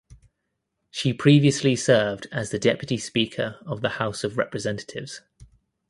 She previously served as the deputy speaker of the House of Representatives.